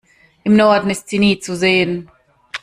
Im Norden ist sie nie zu sehen.